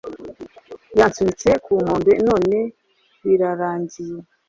Yansunitse ku nkombe none birarangiye